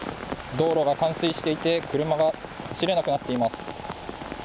道路が冠水していて車が走れなくなっています。